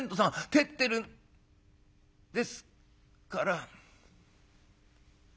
照ってるんですから」。